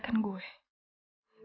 gak ada yang akan mencerahkan gue